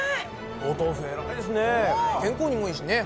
健康にもいいしね。